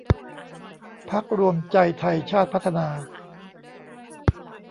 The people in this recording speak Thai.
พรรครวมใจไทยชาติพัฒนา